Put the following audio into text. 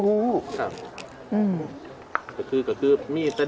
หรือเกิดจะขึ้นแม่ขึ้น